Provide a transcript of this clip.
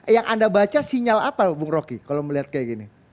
yang anda baca sinyal apa bang rocky kalau melihat seperti ini